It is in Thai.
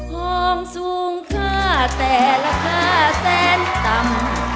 ของสูงค่าแต่ราคาแสนต่ำ